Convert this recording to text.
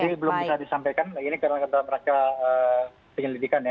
jadi belum bisa disampaikan ini karena keterlaka penyelidikan ya